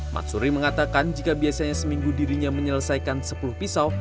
matsuri mengatakan jika biasanya seminggu dirinya menyelesaikan sepuluh pisau